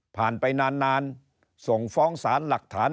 ไปนานส่งฟ้องสารหลักฐาน